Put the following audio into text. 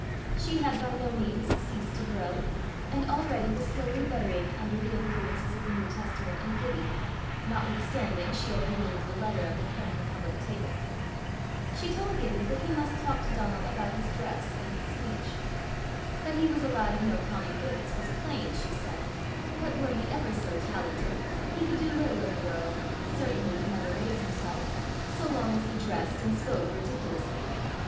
She had by no means ceased to grow, and already was slowly bettering under the influences of the New Testament in Gibbie, notwithstanding she had removed the letter of it from her public table. She told Gibbie that he must talk to Donal about his dress and his speech. That he was a lad of no common gifts was plain, she said, but were he ever so "talented" he could do little in the world, certainly would never raise himself, so long as he dressed and spoke ridiculously.